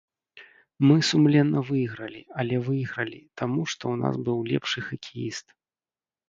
Мы сумленна выйгралі, але выйгралі, таму што ў нас быў лепшы хакеіст.